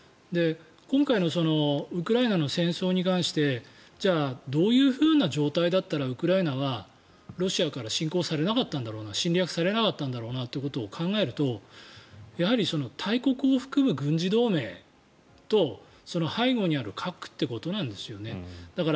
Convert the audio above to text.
今回のウクライナの戦争に関してじゃあどういうふうな状態だったらウクライナはロシアから侵攻されなかったんだろうな侵略されなかったんだろうなということを考えるとやはり大国を含む軍事同盟とその背後にある核ということなんですよね。